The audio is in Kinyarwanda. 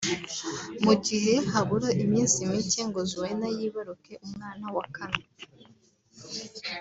Mu gihe habura iminsi mike ngo Zuena yibaruke umwana wa kane